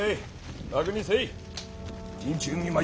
楽にせい。